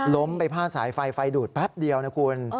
ล้มไปพาดสายไฟไฟดูดแป๊บเดียวนะคุณ